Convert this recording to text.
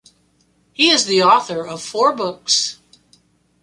He is the author of four books.